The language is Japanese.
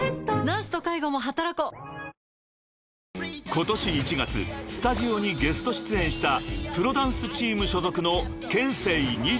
［今年１月スタジオにゲスト出演したプロダンスチーム所属の］